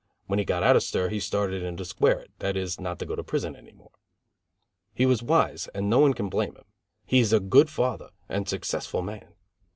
When he got out of stir he started in to square it, that is, not to go to prison any more. He was wise and no one can blame him. He is a good father and a successful man.